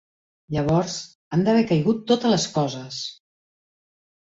Llavors, han d'haver caigut totes les coses!